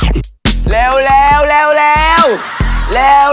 เร็ว